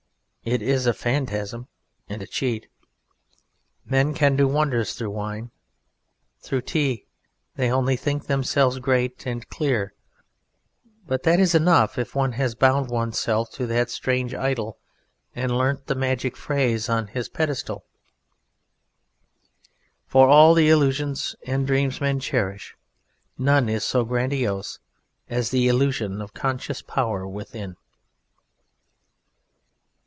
It is a phantasm and a cheat. Men can do wonders through wine; through Tea they only think themselves great and clear but that is enough if one has bound oneself to that strange idol and learnt the magic phrase on His Pedestal, [Greek: ARISTON MEN TI], for of all the illusions and dreams men cherish none is so grandiose as the illusion of conscious power within.